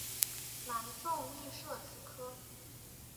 南宋亦设此科。